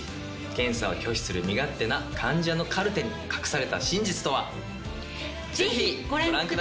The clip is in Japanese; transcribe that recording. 検査を拒否する身勝手な患者のカルテに隠された真実とは？